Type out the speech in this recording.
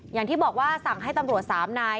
อย่างที่บอกว่าสั่งให้ตำรวจ๓นาย